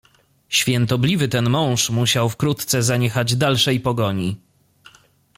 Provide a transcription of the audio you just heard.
"Świętobliwy ten mąż musiał wkrótce zaniechać dalszej pogoni."